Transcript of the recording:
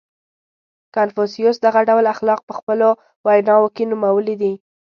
• کنفوسیوس دغه ډول اخلاق په خپلو ویناوو کې نومولي دي.